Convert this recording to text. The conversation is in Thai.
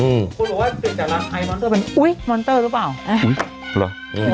คุณหรือว่าจะรักไอมอนเตอร์เป็นอุ้ยมอนเตอร์หรือเปล่าอุ้ยหรอ